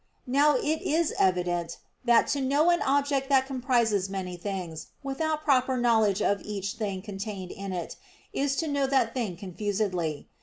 Now it is evident that to know an object that comprises many things, without proper knowledge of each thing contained in it, is to know that thing confusedly.